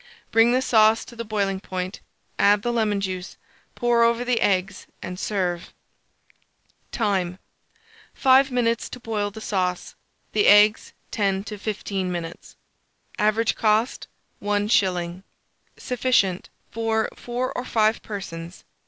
Bring the sauce to the boiling point, add the lemon juice, pour over the eggs, and serve. Time. 5 minutes to boil the sauce; the eggs, 10 to 15 minutes. Average cost, 1s. Sufficient for 4 or 5 persons.